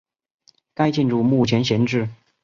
该建筑目前闲置。